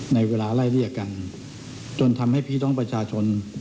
เวลาไล่เรียกกันจนทำให้พี่น้องประชาชน